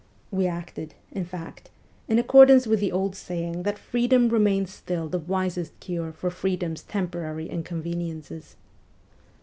We acted, in fact, in accordance with the old saying that freedom remains still the wisest cure for freedom's temporary inconveniences.